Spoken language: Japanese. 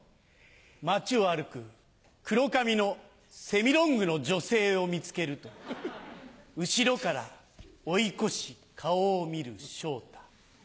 街を歩く黒髪のセミロングの女性を見つけると後ろから追い越し顔を見る昇太。